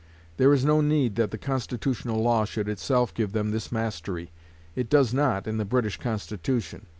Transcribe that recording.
There is no need that the constitutional law should itself give them this mastery. It does not in the British Constitution.